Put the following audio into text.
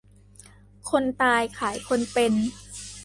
คนตายขายคนเป็น